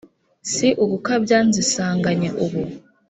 si ugukabya nzisanganye ubu